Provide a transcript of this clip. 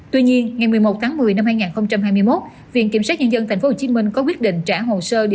tuy nhiên ngày một mươi một tháng một mươi năm hai nghìn hai mươi một viện kiểm sát nhân dân tp hcm có quyết định trả hồ sơ